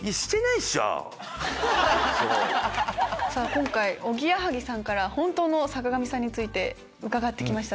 今回おぎやはぎさんから本当の坂上さんについて伺ってきました。